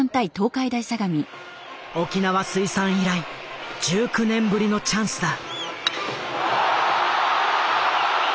沖縄水産以来１９年ぶりのチャンスだ。